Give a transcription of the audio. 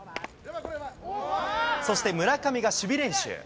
そして村上が守備練習。